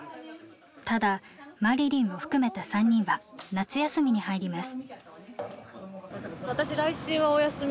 ただまりりんも含めた３人は夏休みに入ります。